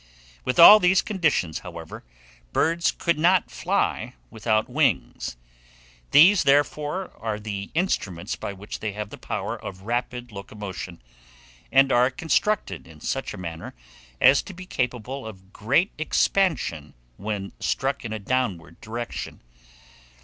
With all these conditions, however, birds could not fly without wings. These, therefore, are the instruments by which they have the power of rapid locomotion, and are constructed in such a manner as to be capable of great expansion when struck in a downward direction.